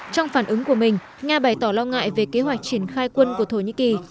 trong phản ứng của mình nga bày tỏ lo ngại về kế hoạch triển khai quân của thổ nhĩ kỳ